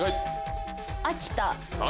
秋田。